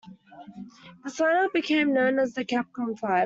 This lineup became known as the Capcom Five.